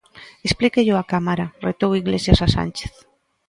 Explíquello á Cámara, retou Iglesias a Sánchez.